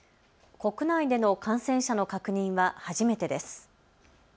国内での感染者の確認は初めてです。